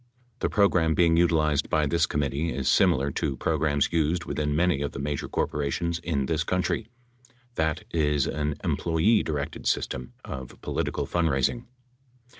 The program being utilized by this committee is similar to programs used within many of the major corporations in this country, that is an employee directed system of political fundraising.